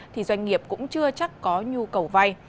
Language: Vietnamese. thì doanh nghiệp cũng chưa chắc có nhu cầu vay